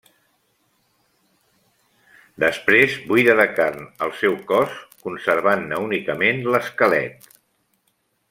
Després buida de carn el seu cos, conservant-ne únicament l'esquelet.